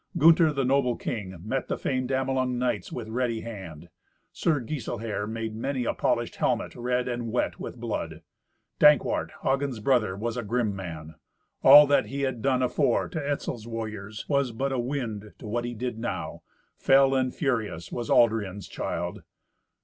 Gunther, the noble king, met the famed Amelung knights with ready hand. Sir Giselher made many a polished helmet red and wet with blood. Dankwart, Hagen's brother, was a grim man. All that he ha done afore to Etzel's warriors was but a wind to what he did now; fell and furious was Aldrian's child.